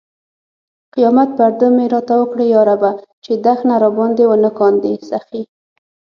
قیامت پرده مې ته اوکړې یا ربه! چې دښنه راباندې نه و کاندي سخې